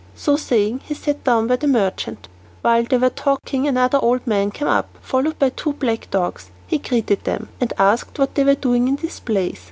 So saying he sat down by the merchant. While they were talking another old man came up, followed by two black dogs. He greeted them, and asked what they were doing in this place.